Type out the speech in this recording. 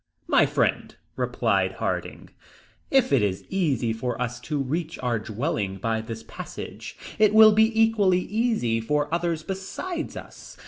"My friend," replied Harding, "if it is easy for us to reach our dwelling by this passage, it will be equally easy for others besides us.